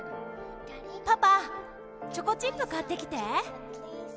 パパチョコチップ買ってきて！